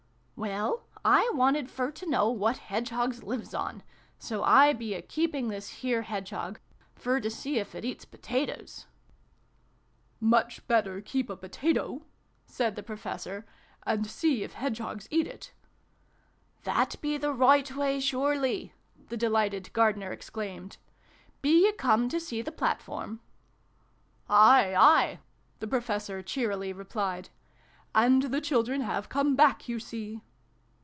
"Well, I wanted fur to know what hedge hogs lives on : so I be a keeping this here hedgehog fur to see if it eats potatoes xx] GAMMON AND SPINACH. 319 " Much better keep a potato," said the Pro fessor ;" and see if hedgehogs eat it !" "That be the roight way, sure ly!" the de lighted Gardener exclaimed. " Be you come to see the platform ?" "Aye, aye!" the Professor cheerily replied " And the children have come back, you see